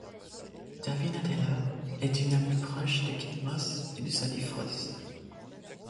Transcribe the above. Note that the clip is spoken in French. Davinia Taylor est une amie proche de Kate Moss et de Sadie Frost.